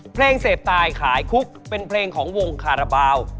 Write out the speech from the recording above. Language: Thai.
เพลงเสพตายขายคุกเป็นเพลงของวงคาราบาล